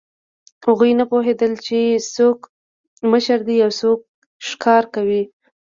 هغوی نه پوهېدل، چې څوک مشر دی او څوک ښکار کوي.